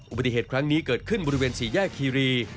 อุบัติเหตุครั้งนี้เกิดขึ้นบริเวณสี่แยกคีรี